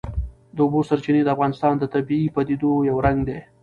د اوبو سرچینې د افغانستان د طبیعي پدیدو یو رنګ دی.